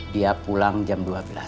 dia pulang jam dua belas